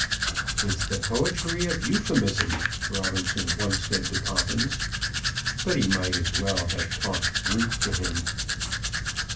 "It's the poetry of euphemism," Robinson once said to Poppins; but he might as well have talked Greek to him.